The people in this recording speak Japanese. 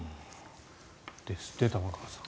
ですって、玉川さん。